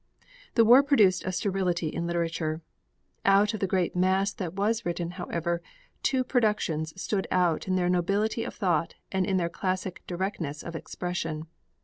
The war produced a sterility in literature. Out of the great mass that was written, however, two productions stood out in their nobility of thought and in their classic directness of expression.